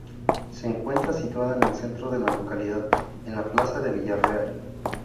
Se encuentra situada en el centro de la localidad, en la Plaza de Villarreal.